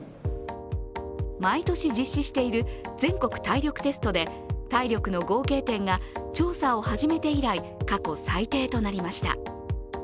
毎年実施している全国体力テストで体力の合計点が調査を始めて以来、過去最低となりました。